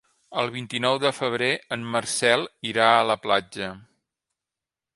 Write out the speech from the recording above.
El vint-i-nou de febrer en Marcel irà a la platja.